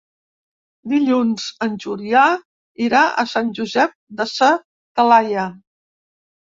Dilluns en Julià irà a Sant Josep de sa Talaia.